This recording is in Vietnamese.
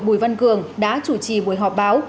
bùi văn cường đã chủ trì buổi họp báo